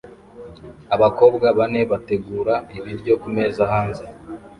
Abakobwa bane bategura ibiryo kumeza hanze